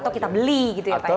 atau kita beli gitu ya pak ya